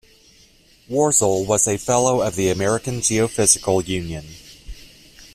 Worzel was a fellow of the American Geophysical Union.